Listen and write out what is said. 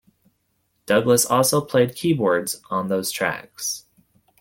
Douglas also played keyboards on those tracks.